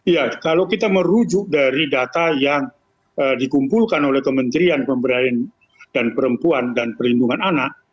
ya kalau kita merujuk dari data yang dikumpulkan oleh kementerian pemberdayaan dan perempuan dan perlindungan anak